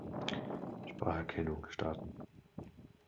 Spracherkennung starten.